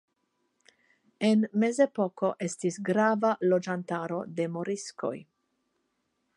En Mezepoko estis grava loĝantaro de moriskoj.